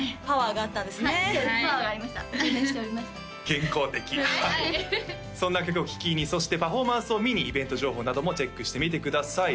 健康的はいそんな曲を聴きにそしてパフォーマンスを見にイベント情報などもチェックしてみてください